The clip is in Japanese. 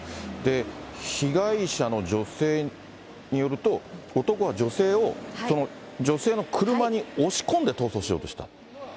被害者の女性によると、男は女性を、女性の車に押し込んで逃走しようとした。